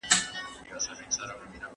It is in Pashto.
¬ بلا بيده ښه وي، نه ويښه.